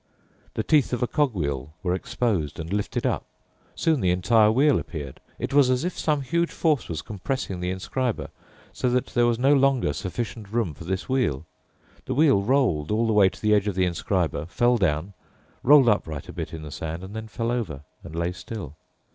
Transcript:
The teeth of a cog wheel were exposed and lifted up. Soon the entire wheel appeared. It was as if some huge force was compressing the inscriber, so that there was no longer sufficient room for this wheel. The wheel rolled all the way to the edge of the inscriber, fell down, rolled upright a bit in the sand, and then fell over and lay still.